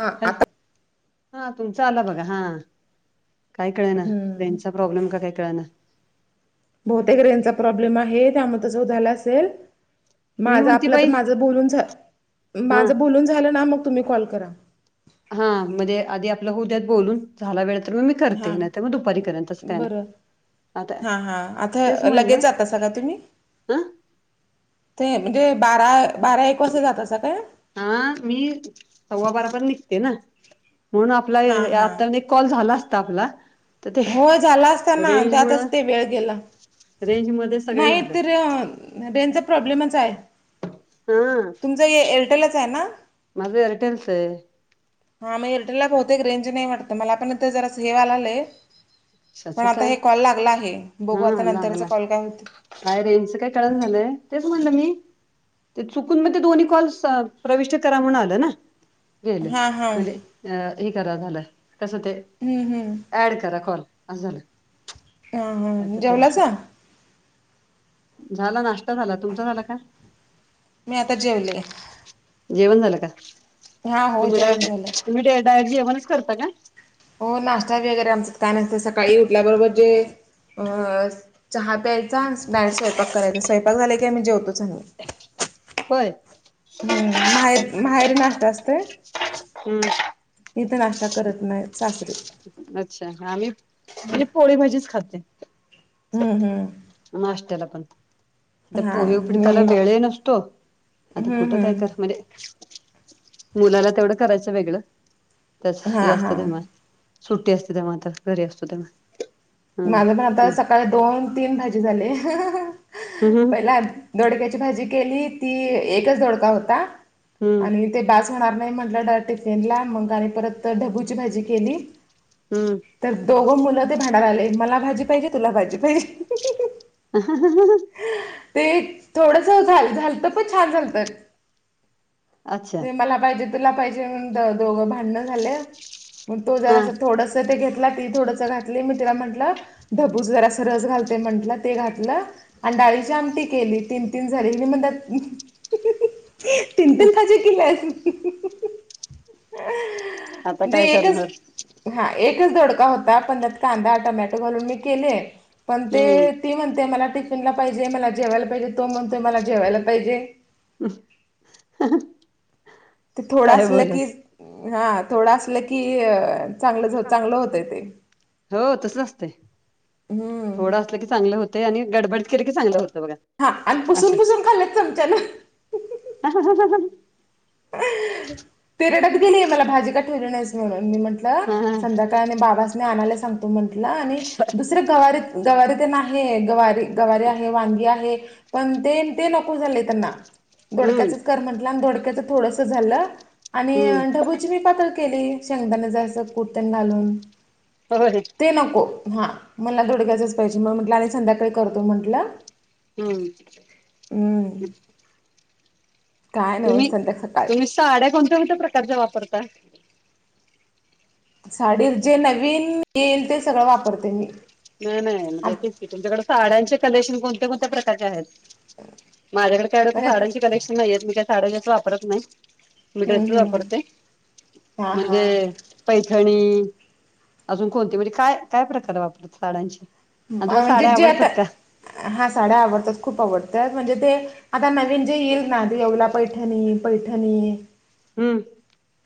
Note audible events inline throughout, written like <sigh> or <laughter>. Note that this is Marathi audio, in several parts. हा हॅल आता हा तुमचा आला बघा हा काही कळे ना हम्म रेंज चा प्रॉब्लेम का काही कळना बहुतेक रेनचा प्रॉब्लेम आहे त्यामुळे तस झाला असेल मी माझं म्हणते आपलं तर बाई माझं बोलून झा हा माझं बोलून झालं ना मग तुम्ही कॉल करा हा म्हणजे आधी आपल्या होऊ द्यात बोलून झाला वेळ तर मग मी करते हां नाही तर मग दुपारी करेन तस काही नाही आता हा हा आता तेच लगेच म्हणलं जात सा का तुम्ही ह ते म्हणजे बारा बारा एक वास जातासा काय हा मी सव्वा बारापर्य निघते ना म्हणून आपला हां हां आता कॉल झाला असता आपला तर ते हो झाला असताना रेंज मुळ त्यातच ते वेळ गेला रेंज मध्ये सगळे नाही झालं तर रेनचा प्रॉब्लेमच आहे हा तुमचं हे एअरटेलच आहे ना माझं एअरटेल च आहे हा मी एअरटेल ला बहुतेक रेंज नाही वाटत मला पण आत्ता जरा स हे व्हायला लागलय पण कशाचं आता काय हे कॉल लागला आहे बघू आता हा नंतरचा लागला कॉल काय होत काय रेंजचं काय कळण झालंय तेच म्हणलं मी ते चुकून म ते दोन्ही कॉल् प्रविष्ट करा म्हणून आलं ना गेलं हां हां म्हणजे अ हे करा झालं कस ते हम्म हम्म ऍड करा कॉल अस झालं हां हां आता ते जेवलासा झाला नाश्ता झाला तुमचा झाला का मी आता जेवले जेवण झालं का हा हो तुम्ही जेवण झालं डायरेक्ट तुम्ही डायट जेवणच करता का हो नाश्ता वगैरे आमच्यात काय नसत सकाळी उठल्याबरोबर जे चहा प्यायचा डायरेक्ट स्वयंपाक करायचा स्वयंपाक झाला की आम्ही जेवतोच आम्ही होय हम्म माहेर माहेरी नाष्टा असतोय हम्म इथ नाष्टा करत नाहीत सासरीे अच्छा आम्ही म्हणजे पोळी भाजीच खाते हम्म हम्म नाश्त्याला पण आता हां मी पोहेपीडकाला वेळ नसतो आता हं कुठं हं काय कर म्हणजे मुलाला तेवढं करायचं वेगळं त्याच हां यास्त हां धमा सुट्टी असते तेव्हा आता घरी असतो तेव्हा माझं पण हम्म आता सकाळी दोन तीन भाजी झाली हम हं डक्याची भाजी केली ती एकच दोडका होता हम्म आणि ते बस होणार नाही म्हटलं टिफिन ला मग आणि परत ढबूची भाजी केली हम्म तर दोघं मुलं ते भांड आले मला भाजी पाहिजे तुला भाजी पाहिजे ह ते थोडस झाल झालत पण छान झाल तर अच्छा ते मला पाहिजे तुला पाहिजे म्हण दोघं भांडण झाले मग तो हा जरा थोडस ते घेत घ ती थोडस घातली मी तिला म्हटलं धबूस जरा असं रस घालते म्हटलं ते घातलं अंडाळीची आमटी केली तीन तीन झाली म म्हणतात कलाणजे आता काय एकच करणार हा एकच दधोडका होता पण त्यात कांदा टोमॅटो घालून मी केले पण ते हम्म ती म्हणते मला टिफिनला पाहिजे मला जेवायला पाहिजे तो म्हणते मला जेवायला पाहिजे हम् ते थोडं असलं की हा थोडं असलं की चांगलं चांगलं होतय ते हो तस असते हम्म थोडं असलं की चांगलं होत ते आणि गडबड केिरी की चांगलं होतं बघा हा आणि असं पुसून पुसून खाल्त तुमच्यान हा ह ह ह ह तेिरडक गेली मला भाजी काठरण्यास म्हणून मी म्हटलं संध्याका बाबाास आणायला सांगतो म्हंटलं आणि दुसरे गवारी गवारी ते नाही गवारी गवारीे आहे वांगी आहे पण ते ते नको झाले त्यांना हम्म धोडक्याचंच कर म्हंटलं धोडक्याच थोडस झालं आणि हम्म ढबूची मी पातळ केली सगताना जां कुर्तन घालून हो ते नको हां मला थोडक्यायचंच पाहिजे मग म्हटलं आणि संध्याकाळी करतो म्हटलं हम्म हम्म काय तुम्ही नवस्त त्या तुम्ही साड्या कोणत्या कोणत्या प्रकारच्या वापरता साडी जे नवीन येईल ते सगळं वापरते मी नाही नाही आ म्हणजे तेच तुमच्याकडे साड्यांचे कलेक्शन कोणत्या कोणत्या प्रकारचे आहेत माझ्याकडे कायडतं म्हणजे साड्यांचे हम्म कलेक्शन नाहीयेत मी काय साड्या जस वापरत नाही मिठाची वापरते हम्म हां म्हणजे हां पैठणी अजून कोणती म्हणजे काय काय प्रकार वापरत साडांची अज जेता हा साड्या आवडतात खूप आवडतात म्हणजे ते आता नवीन जे येईल ना ते येवला पैठणी पैठणी आहे हम्म.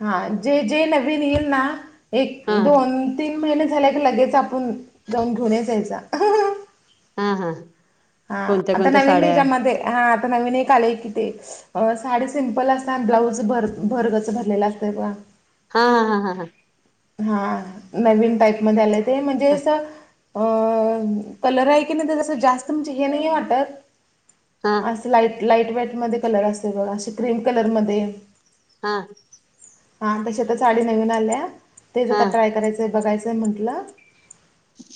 हा जे जे नवीन येईल ना एक हा दोन तीन महिने झाल्या क लगेच आप आपण जाऊन घेऊन जायचा. हम हम. हा आता नवीन हच्या्यामध्ये हा आता नवीन एक आलेय की ते अ साडी सिंपल असत ब्लाऊज भर भरगच भरलेला असत बघ. हा हा हा हा हा. हा नवीन टाईपमध्ये आलं ते म्हणजे अस अ कलर आहे की नाही तर जस जास्त त हे नाही वाटत हा हा अस. लाईट लाईट वईट मध्ये कलर असते बघ अशी क्रीम कलर मध्ये हा हा तशी आता साडी नवीन आल्या तेच हा आता ट्राय करायच बघायचंय म्हंटलं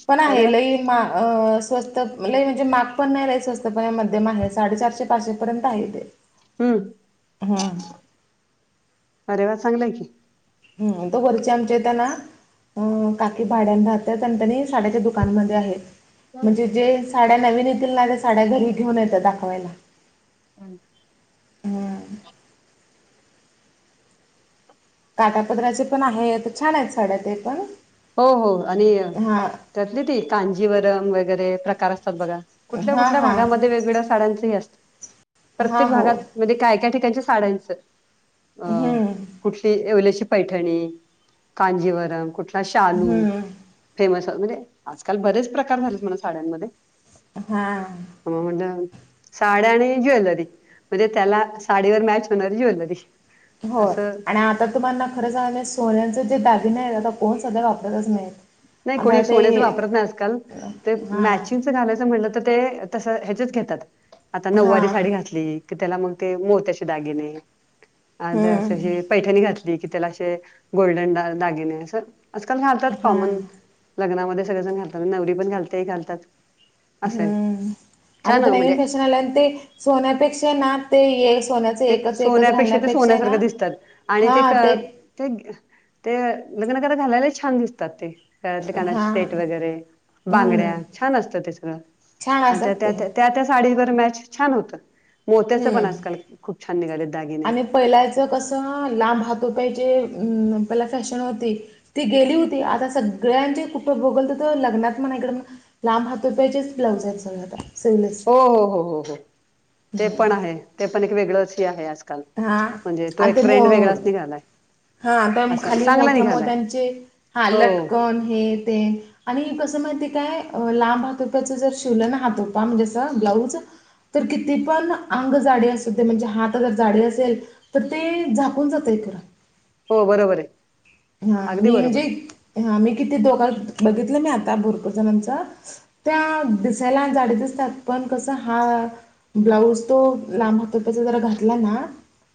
पण अरे आहे वा लय मा अ स्वस्तात लय म्हणजे महाग पण नाही रा स्वस्तपणे मध्यम आहे. साडेचारशे पाचशे पर्यंत आहे ते हम्म हम्म. अरे वाज चांगलाय की हम्. तो घरची आमच्याताना. हं. काकी भाड्यान राहतात आणि का नाई साड्याच्या दुकानामध्ये आहेत. म्हणजे जे साड्या नवीन येतील ना? ते साड्या घरी ठेऊून येतात दाखवायला हम. काठापदराचे पण आहेत. छान आहेत साड्या ते पण हो हो आणि हां त्यातली ती कांजीवरम वगैरे प्रकार असतात बघा. कुठल्या हां कुठल्या हां. भागामध्ये वेगवेगळ्या साड्यांचं हे असत. हां प्रत्येक हो भागात म्हणजे काय काय ठिकाणच्या साड्यांचं अ हम्म कुठली येवल्याची पैठणी, कांजीवरम कुठला शालू हम्म फेमस म्हणजे, आजकाल बरेच प्रकार झालेत म्हणा साड्यांमध्ये. हा. हो ना. साड्या आणि ज्वेलरी. म्हणजे त्याला साडीवर मॅच होणारी ज्वेलरी. होय असं आणि आता तुम्हाना खरं त सांगायचं ना. सोन्यांचे जे दागिने आहेत. आता कोण सध्या वापरतच नाहीत. नाही आता कोणी ते सोन्याच वापरत नाही आजकाल. तर हां मॅचिंग घालायचं म्हंटल तर ते तस ह्याचेच घेतात. आता नऊवारी हां साडी घात- -ली त्याला मग ते मोत्याचे दागिने. आन जर असं हम्म हे - पैठणी घातली की त्याला असे गोल्डन दागिने असं. आजकाल घालतात कॉमन हां. लग्नामध्ये सगळेजण घालतात. नवरी पण घालते. घालतात. असं आहे हम्म. आता छान तर नवीन म्हणजे फॅशन आलं. आणि ते सोन्यापेक्षा ना. ते ये सोन्या ते सोन्यापेक्षा ते सोन्यासारखं दिसतात. आणि ते ते ते लग्नात वगैरे घालायला छान दिसतात ते. पायातले, कानातले हा सेट वगैरे, बांगड्या हम्म छान असत ते सगळं. छान आता असतात ते त्या- त्या त्या साडीवर मॅच छान होतं. मोत्याचं पण हम्म आजकाल खूप छान निघालेत दागिने. पहिलाचं कसं लांब हात पाह्यजे. अं पहिला फॅशन होती. ती गेली होती. आता सगळ्यांचे कुप भोगलत तर लग्नात म्हणा इकडे म्हणा - लांब हात रुपयाच ब्लाउज आहे सगळ आता सिवलेस हो हो हो हो. हो ते पण आहे. ते पण एक वेगळंच हे आहे आजल -काल. हा म्हणजे तो आणि एक ते ट्रेंड मो वेगळाच निघालाय. हा प असा खाली चांगला मोठ्या निघालाय मोठ्यांचे, हा हो लटकन हे ते आणि कसं माहिती आहे का? लांब हातोप्याचं जर शिवलन हातोपा <unintelligible> ब्लाऊज तर किती पण अंग जाडी असू दे. म्हणजे हात जर जाडे असेल तर ते झाकून जात इकडं. हो बरोबर आहे. हा अगदी नाही म्हणजे, बरोबर आहे हा मी किती दोघां जणा -बघितला मी आता भोरपूर जणांचा. त्या दिसायला जाड्या दिसतात. पण कसं हात - ब्लाऊज तो लांब हातोप्याचा जरा घातला ना-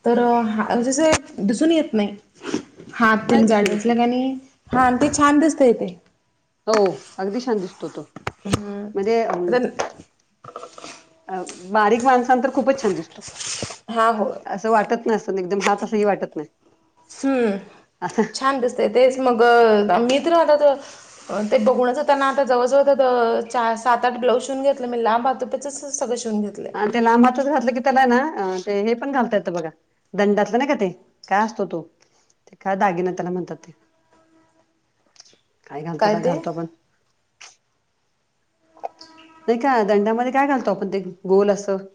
तर ह जस दिसून येत नाही. हात - नाही जाड दिसून येते असलं का लई. हा ते छान दिसतय तेे. हो अगदी छान दिसतो तो. हम्म म्हणजे- आता अ बारीक माणसाला तर खूपच छान दिसतो. हा हो असं वाटत नाही अस एकदम हात असं हे वाटत नाही. हम्म. असं छान दिसतय तेच मग. <unintelligible> ते बघूनच आता ना, आता जवळजवळ बघ सात आठ ब्लाऊज शिवून घेतलं मी लांब हातोप्याचेच सगळं शिवून घेतलं. आणि ते लांब हाताच घातलं की त्याला ना ते हे पण घालता येतं बघा. दंडातलं नाही का ते काय असतो तो ते काय दागिना त्याला म्हणतात ते. काय घालत तर घालतो आपण. नाही का दंडामध्ये काय घालतो आपण ते गोल असं..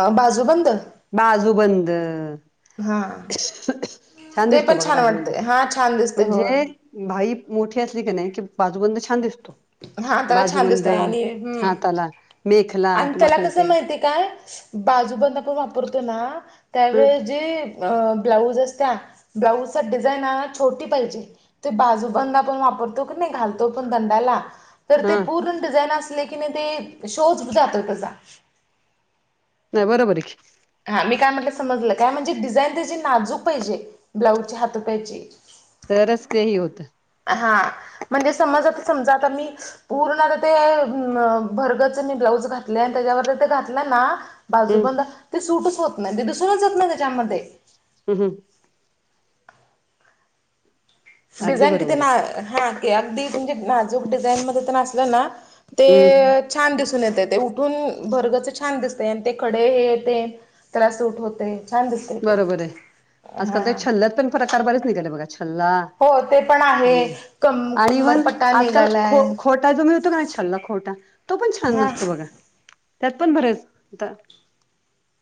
आ बाजूबंद? बाजूबंद. हा छान ते दिसतो पण बघा छान बाजूबंद. वाटतंय हा छान दिसतंय हो. म्हणजे- भाई मोठी असली काी नाही की बाजूबंद छान दिसतो. हा त्याला छान बाजूबंद दिसतय आणि हम्म हाताला मेखला आणि तुम्हाला त्याला कस सांगते माहिती. काय बाजूबंद पण वापरतो ना ह त्यावे जे. अ ब्लाऊज असत ब्लाऊजचा डिझाईन छोटी पाहिजे. ते बाजूबंदा पण वापरतो की नाही घालतो पण गंडाला. तर ते हा पूर्ण डिझाईन असले की नाही ते शोज जातात कसा. नाही बरोबर. हा मी काय म्हटलं समजलं काय म्हणजे डिझाईन त्याची नाजूक पाहिजे. ब्लाऊजच्या हातोप्याची. तरच काही होतं. हा म्हणजे समज आता समजा आता मी. पूर्णता ते अ भरगत मी ब्लाऊज घातले आणि त्याच्यावर ते घातलं ना. हम्म बाजूबला ते सूटच होत नाही ते दिसूनच येत नाही त्याच्यामध्ये. हम् हम. अगदी डिझाईन किती बरोबर हा आहे अगदी तुम नाजूक डिझाईन मध्ये तर नासलं ना. ते हम्म छान दिसून येते ते उठून भरगचे छान दिसते आणि ते खडे हे येते. त्याला सूट होते. बरोबर आहे हा आजकाल ते छल्लत पण फरकार बरेच निघाले बघा छल्ला. हो ते पण आहे हम्म क कम्मरपट्टा मेघालयन. ा जो मिळ होतो का नाही छल्ला खोटा तो पण छान हा नसतो बघा. त्यात पण बरेच आता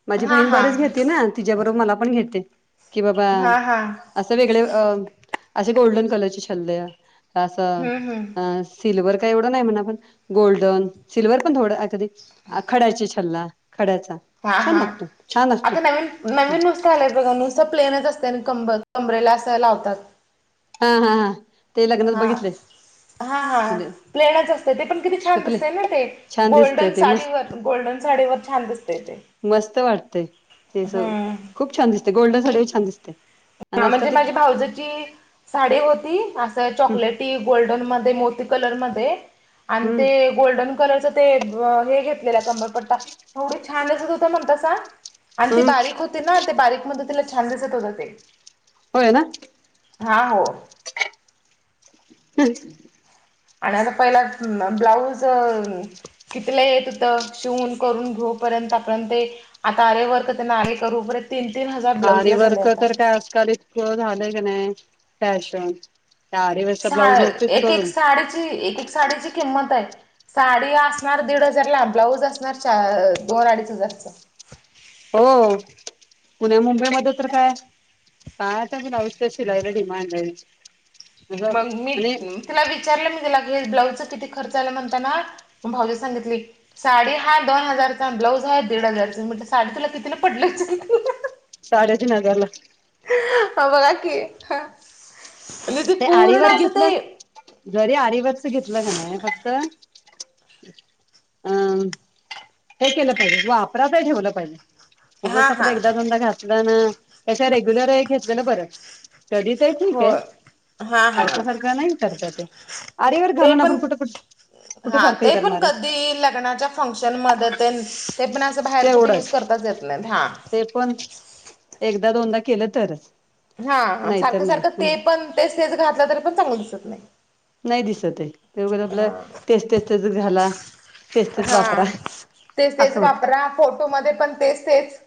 माझी हा बहीण हा बरेच घे ना. तिच्याबरोबर मला पण घेते की बाबा. हा हा असं वेगळे अ असे गोल्डन कलरचे छल्ले असं. हम्म हम्म सिल्ववरर काय एवढं नाही म्हणा आपण गोल्डन सिल्वर पण थोडं अगदी खडयची. हल्ला खड्याचा हा छान हा लागतो छान असतो. आता नवीन नवीन नुसतं आलंय बघा नुसतं प्लेनच असते कंब कमबरेला असं लावतात. हा हा हा ते लग्नात हा बघितले. हा हा प्लेनच असते ते पण किती छान कपले दिसते ना ते छान दिसतय गोल्डन ते मस्त साडीवर गोल्डन साडीव. र छान दिसतेय ते. मस्त वाटतेय. हम्म. खूप छान दिसते गोल्डन सासाठी छान दिसते. आणि हा आजकाल म्हणजे ते माझी हम्म भाऊजची साडी होती असं चॉकलेटी. गल्ड म मो कलर हम्म गोल्डन कल. ते हे घेतलेला कंबरपट्टा एवढ छान अस त हो म्हणत आणि ती हम्म बारीक. ना ते बारीक मण तिला छान दिसत होत ते. होय ना. हा हो. हम्. आणि आता पहिला ब्लाऊज. किथलं येत होत शिवून करून घेऊ पर्यंतपर्यंत. आता आरे वरक त्यांना आरे करूर तीन तीन हजार ब्लाऊज आारी ला झाले वर्क आता तर काय आजकाल इतक झालंय की नाही फॅशन त्या आरीवरचा सा ब्लाऊज नव्हतेच एक एक साडीची एक एक साडीची किंमत आहे साडी असणार दीड हजार ला ब्लाऊज असणार च दोन अडीच हजारचा हो पुण्या मुंबईमध्ये तर काय पाण्याचा पण अवथ्य शिलाईला डिमांड आहे मग मी आणि. तिला विचारलं मी तिला ब्लाऊजचा किती खर्च आला म्हणताना भाऊज सांगितले. साडी हा दोन हजारचा ब्लाऊज हा दीड हजारचा म्ह साडी तुला किती पडली. साडे तीन गरला. ह बघा की म्ह ते पूर्ण आळीवर असं ते. घेतलं जरी आरीवतच घेतलं का नाही फक्त. अम हे केलं पाहिजे वापरातही ठेवलं पाहिजे हा खूपच आपलं हा एकदा दोनदा घातलं ना त्याच्या रेग्युलर घेतलेलं बरं स्टडी तर आहे ठीक हो आहे हा हा अर्खसारखा नाही करत ते आरेवर ते घालून पण आपण कुठं कुठ कुठे हा सारखंही ते पण करणार आहे कधी लग्नाच्या फंक्शन म ते पण अस बाहेर कुठे युज करताच येत नाही हा कोण एकदा दोनदा केलं तरच हा नाहीतर सारखं नाही सारखं ते म्हणजे पण तेच तेच घातलं तरी पण चांगलं दिसत नाही नाही दिसत आहे तेघ आपलं हा तेच तेच तेच घाला तेच तेच वापरा हा तेच तेच असं होत वापरा फोटो मध्ये पण तेच तेच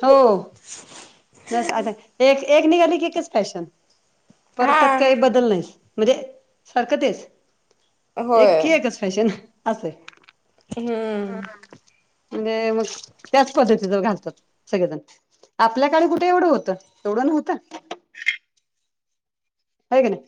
हो नाही आता एक एक निघाली कीच फॅशन परत हा त्यात काही बदल नाहीस म्हणजे सरख तेस एक होय कस फॅशन असं हम्म म्हणजे मग त्याच पद्धती ज घालतात सगळेजण आपल्या सकाळी कुठे एवढं होतं तेवढं न होतं ह ना